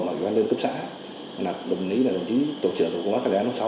và đồng ý là đồng chí tổng trưởng của công an thái đại nông sáu